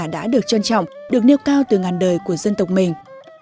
đã được trân trọng được nêu cao từ ngàn đời của dân tộc mình